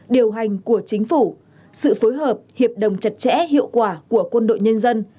điều hành của chính phủ sự phối hợp hiệp đồng chặt chẽ hiệu quả của quân đội nhân dân